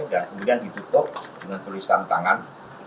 dan kemudian ditutup dengan tulisan tangan